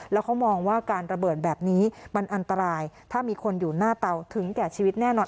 แล้วเขามองว่าการระเบิดแบบนี้มันอันตรายถ้ามีคนอยู่หน้าเตาถึงแก่ชีวิตแน่นอน